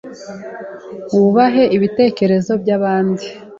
Wubahe ibitekerezo byabandi.